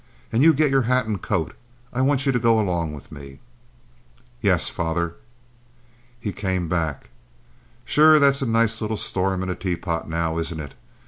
And you get your hat and coat. I want you to go along with me." "Yes, father." He came back. "Sure that's a nice little storm in a teapot, now, isn't it?